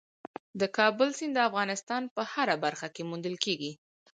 د کابل سیند د افغانستان په هره برخه کې موندل کېږي.